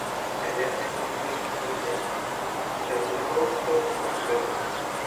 At the end of her confinement, her old clothes were burnt.